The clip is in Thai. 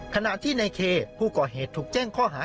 ขณะที่ในเคผู้ก่อเหตุถูกแจ้งข้อหา